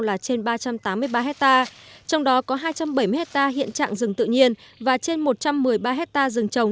là trên ba trăm tám mươi ba hectare trong đó có hai trăm bảy mươi hectare hiện trạng rừng tự nhiên và trên một trăm một mươi ba hectare rừng trồng